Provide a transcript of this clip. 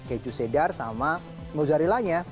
kemudian dikasih keju cheddar sama mozzarella nya